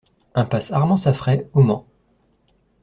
Impasse Armand Saffray au Mans